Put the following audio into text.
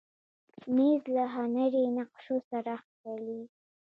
مېز له هنري نقشو سره ښکليږي.